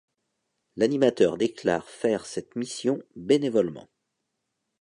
L'animateur déclare faire cette mission bénévolement.